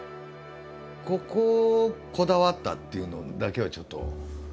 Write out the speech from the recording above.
ここをこだわったっていうのだけはちょっと。